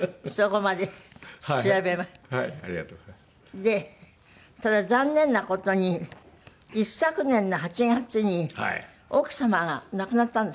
でただ残念な事に一昨年の８月に奥様が亡くなったんですって？